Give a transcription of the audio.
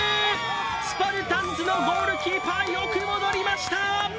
スパルタンズのゴールキーパー、よく戻りました！